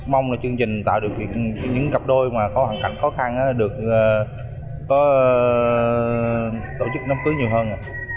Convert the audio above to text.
mong là chương trình tạo được những cặp đôi mà có hoàn cảnh khó khăn được tổ chức năm cưới nhiều hơn